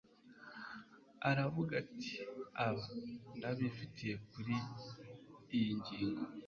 Aravuga ati Aba ndabifitiye Kuri iyi ngingo